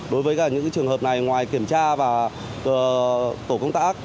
đối với cả những trường hợp này ngoài kiểm tra và tổ công tác